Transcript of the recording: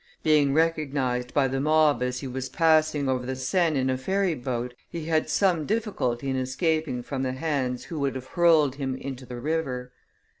Being recognized by the mob as he was passing over the Seine in a ferry boat, he had some difficulty in escaping from the hands of those who would have hurled him into the river.